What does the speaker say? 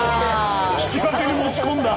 引き分けに持ち込んだ！